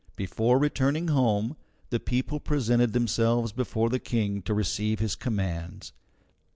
Before returning home, the people presented themselves before the King to receive his commands.